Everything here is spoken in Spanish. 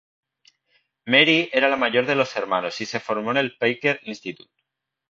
Mary era la mayor de los hermanos y se formó en el Packer Institute.